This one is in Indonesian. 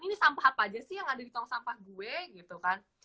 ini sampah apa aja sih yang ada di tong sampah gue gitu kan